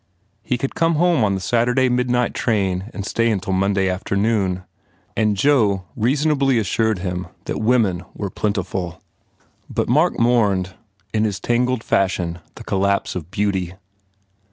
He could come home on the Saturday midnight train and stay until Monday afternoon. And Joe reason ably assured him that women were plentiful. But Mark mourned, in his tangled fashion, the collapse of beauty.